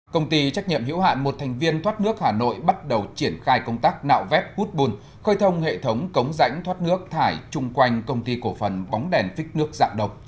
công ty trách nhiệm hiểu hạn một thành viên thoát nước hà nội bắt đầu triển khai công tác nạo vét hút bùn khơi thông hệ thống cống rãnh thoát nước thải chung quanh công ty cổ phần bóng đèn phích nước dạng độc